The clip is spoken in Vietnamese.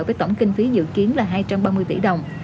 với tổng kinh phí dự kiến là hai trăm ba mươi tỷ đồng